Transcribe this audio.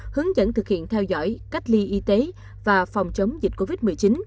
hướng dẫn thực hiện theo dõi cách ly y tế và phòng chống dịch covid một mươi chín